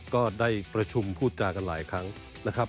ก็ได้ประชุมพูดจากันหลายครั้งนะครับ